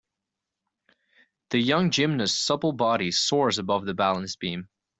The young gymnast 's supple body soars above the balance beam.